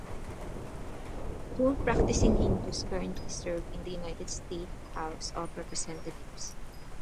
Two practicing Hindus currently serve in the United States House of Representatives.